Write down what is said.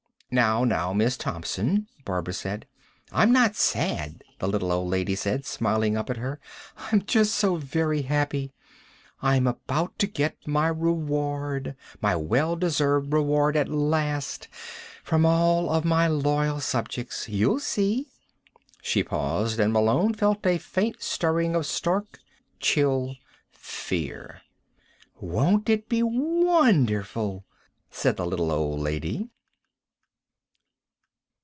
"Now, now, Miss Thompson," Barbara said. "I'm not sad," the little old lady said, smiling up at her. "I'm just so very happy. I am about to get my reward, my well deserved reward at last, from all of my loyal subjects. You'll see." She paused and Malone felt a faint stirring of stark, chill fear. "Won't it be wonderful?" said the little old lady.